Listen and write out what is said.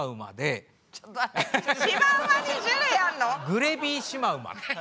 グレビーシマウマ。